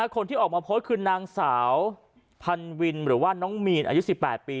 คนที่ออกมาโพสต์คือนางสาวพันวินหรือว่าน้องมีนอายุ๑๘ปี